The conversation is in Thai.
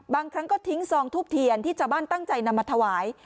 บางครั้งก็ทิ้งซองทูบเทียนที่ชาวบ้านตั้งใจนำมาถวาย